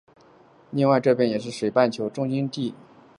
另外这边也是水半球的中心地。